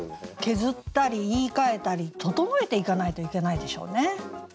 削ったり言いかえたり整えていかないといけないでしょうね。